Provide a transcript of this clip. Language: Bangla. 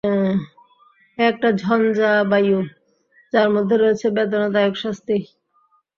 এ একটা ঝঞ্ঝা-বায়ু, যার মধ্যে রয়েছে বেদনাদায়ক শাস্তি।